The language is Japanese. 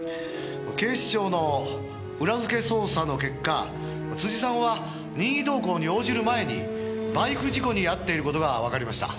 「警視庁の裏づけ捜査の結果辻さんは任意同行に応じる前にバイク事故に遭っている事がわかりました」